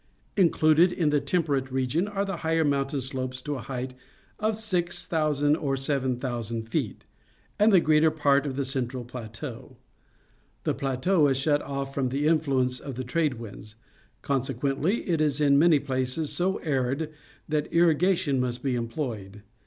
Included in the temperate region are the higher mountain slopes to a height of (),()00 or 7,000 feet, and the greater part of the central plateau. The plateau is shut off from the influence of the trade winds. Conse ([uently, it is in many places so arid that irrigation must be employed.